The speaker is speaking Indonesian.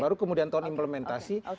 baru kemudian tahun implementasi